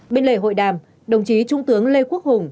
bên lề hội đàm đồng chí trung tướng lê quốc hùng